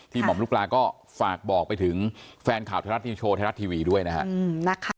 ที่หม่อมลูกปลาก็ฝากบอกไปถึงแฟนข่าวทะลัดที่โชว์ทะลัดทีวีด้วยนะครับ